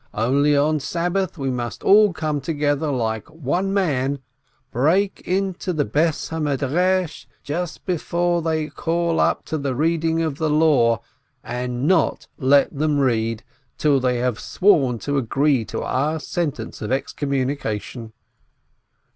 Only on Sabbath we must all come together like one man, break into the house of study just before they call up to the Eeading of the Law, and not let them read till they have sworn to agree to our sentence of excommuni cation